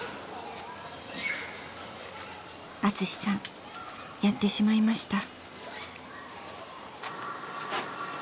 ［アツシさんやってしまいました］